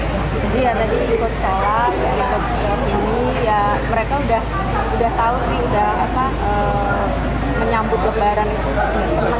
jadi yang tadi juga misalnya ya mereka sudah tahu sih sudah menyambut ke pelayaran ke lebaran